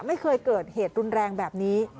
ไม่เคยเกิดเหตุรุนแรงแบบนี้